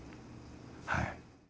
はい。